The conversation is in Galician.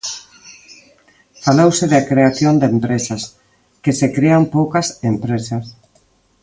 Falouse da creación de empresas, que se crean poucas empresas.